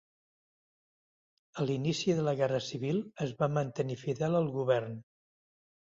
A l'inici de la guerra civil es va mantenir fidel al govern.